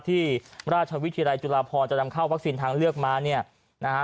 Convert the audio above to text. ที่ราชวิทยาลัยจุฬาพรจะนำเข้าวัคซีนทางเลือกมาเนี่ยนะฮะ